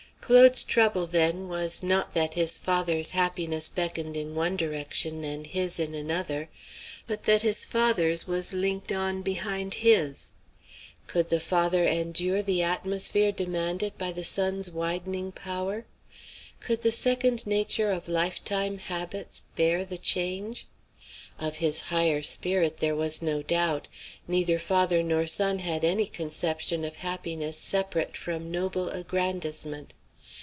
Claude's trouble, then, was not that his father's happiness beckoned in one direction and his in another; but that his father's was linked on behind his. Could the father endure the atmosphere demanded by the son's widening power? Could the second nature of lifetime habits bear the change? Of his higher spirit there was no doubt. Neither father nor son had any conception of happiness separate from noble aggrandizement.